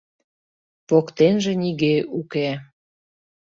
Воктенже нигӧ уке.